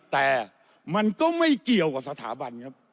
แต่มันก็ไม่เกี่ยวกับสถาบันครับ